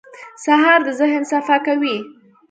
سهار د ذهن صفا کوي.